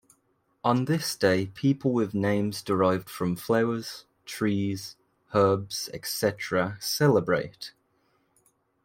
On this day people with names derived from flowers, trees, herbs, etc., celebrate.